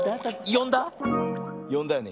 よんだよね？